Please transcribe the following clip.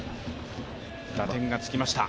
打点がつきました。